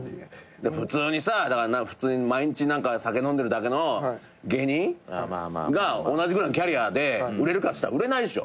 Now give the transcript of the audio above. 普通にさ毎日何か酒飲んでるだけの芸人が同じぐらいのキャリアで売れるかっつったら売れないでしょ？